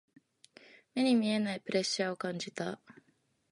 目に見えないプレッシャーを感じた。